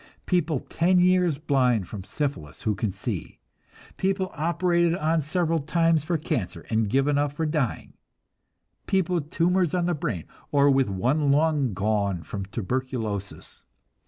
People ten years blind from syphilis who can see; people operated on several times for cancer and given up for dying; people with tumors on the brain, or with one lung gone from tuberculosis.